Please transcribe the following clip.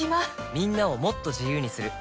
みんなをもっと自由にする「三菱冷蔵庫」